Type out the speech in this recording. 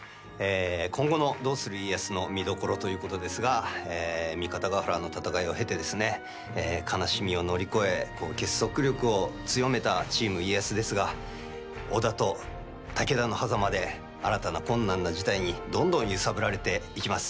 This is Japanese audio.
今後の「どうする家康」の見どころということですが三方ヶ原の戦いをへて悲しみを乗り越え結束力を強めた「チーム家康」ですが織田と武田のはざまで新たな困難な事態にどんどん揺さぶられていきます。